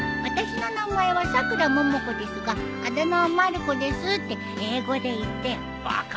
私の名前はさくらももこですがあだ名はまる子ですって英語で言ってよ。